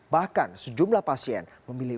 bahkan sejumlah pasien memilih